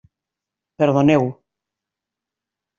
Perdoneu.